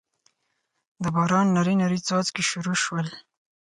دباران نري نري څاڅکي شورو شول